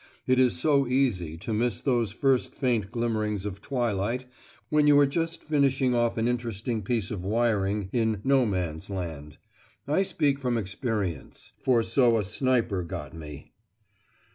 It is so easy to miss those first faint glimmerings of twilight when you are just finishing off an interesting piece of wiring in "No Man's Land." I speak from experience. For so a sniper got me.